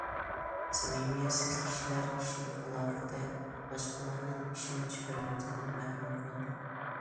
سەمىمىيەتسىز كىشىلەر كىشىلىك ئالاقىدە باشقىلارنىڭ ئىشەنچى، ھۆرمىتىدىن مەھرۇم قالىدۇ.